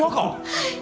はい！